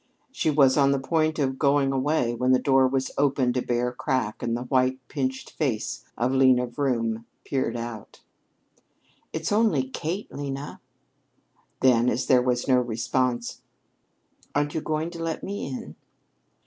She was on the point of going away when the door was opened a bare crack and the white, pinched face of Lena Vroom peered out. "It's only Kate, Lena!" Then, as there was no response: "Aren't you going to let me in?"